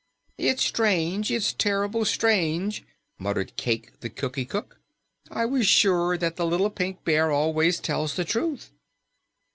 "It's strange, it's terrible strange!" muttered Cayke the Cookie Cook. "I was sure that the little Pink Bear always tells the truth."